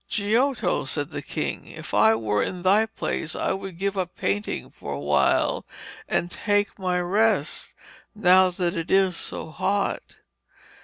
'Giotto,' said the king, 'if I were in thy place I would give up painting for a while and take my rest, now that it is so hot.'